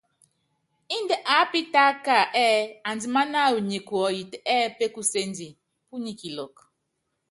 Índɛ aápitáka ɛɛ́ andiman wawɔ kanyikuɔyit ɛɛ́ pékusendi, punyi kilɔk.